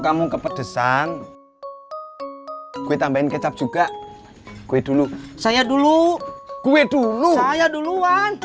kamu kepedesan kue tambahin kecap juga gue dulu saya dulu kue dulu saya duluan